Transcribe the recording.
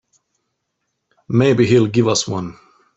Maybe he'll give us one.